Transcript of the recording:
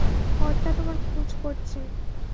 কর্তা তোমার খোঁজ করছেন।